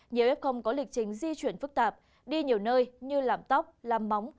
nhiều f có lịch trình di chuyển phức tạp đi nhiều nơi như làm tóc làm móng